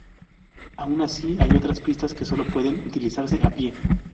Aun así hay otras pistas que sólo pueden utilizarse a pie.